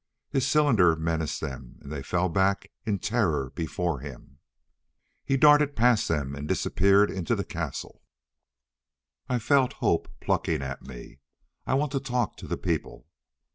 His cylinder menaced them, and they fell back in terror before him. He darted past them and disappeared into the castle. I felt Hope plucking at me. "I want to talk to the people."